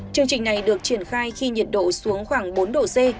chương trình này được triển khai khi nhiệt độ xuống khoảng bốn độ c